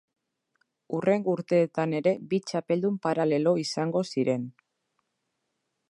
Hurrengo urteetan ere bi txapeldun paralelo izango ziren.